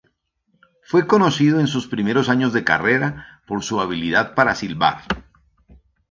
Fue conocido en sus primeros años de carrera por su habilidad para silbar.